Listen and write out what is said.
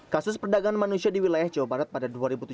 kasus perdagangan manusia di wilayah jawa barat pada dua ribu tujuh belas